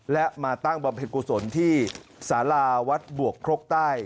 และมาตั้งบำเพ็ญกุศลที่สาราวัดบวกครกใต้